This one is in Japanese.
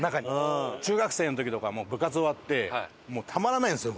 中学生の時とか部活終わってもうたまらないんですよ